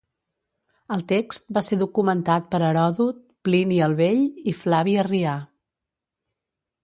El text va ser documentat per Heròdot, Plini el vell i Flavi Arrià.